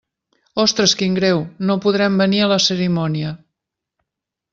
Ostres, quin greu, no podrem venir a la cerimònia.